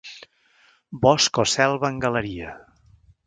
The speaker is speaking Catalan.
Bosc o selva en galeria.